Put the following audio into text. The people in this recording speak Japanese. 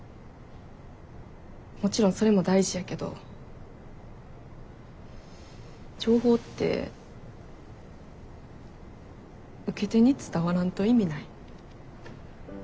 もちろんそれも大事やけど情報って受け手に伝わらんと意味ない。